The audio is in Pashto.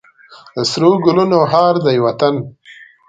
د سرو ګلونو هار دی وطن.